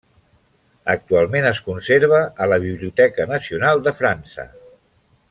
Actualment es conserva a la Biblioteca Nacional de França.